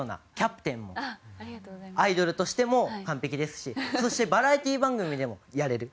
アイドルとしても完璧ですしそしてバラエティー番組でもやれる。